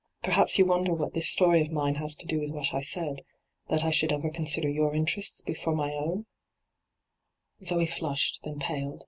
Perhaps you wonder what this story of mine has to do with what I said — that I should ever consider your interests before my own V Zoe flushed, then paled.